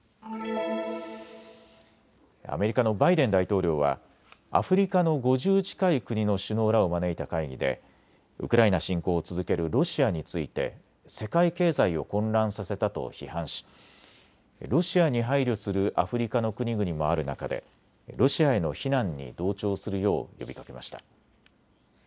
アメリカのバイデン大統領はアフリカの５０近い国の首脳らを招いた会議でウクライナ侵攻を続けるロシアについて世界経済を混乱させたと批判しロシアに配慮するアフリカの国々もある中でロシアへの非難に同調するよう呼びかけました。